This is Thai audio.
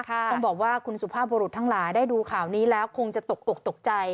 ต้องบอกว่าคุณสุภาพบุรุษทั้งหลายได้ดูข่าวนี้แล้วคงจะตกอกตกใจ